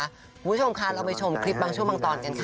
คุณผู้ชมค่ะเราไปชมคลิปบางช่วงบางตอนกันค่ะ